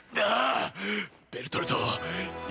ベルトルト！！